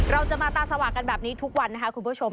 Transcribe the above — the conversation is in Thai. เราจะมาตาสว่างกันแบบนี้ทุกวันนะคะคุณผู้ชม